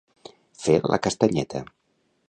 Fer la castanyeta.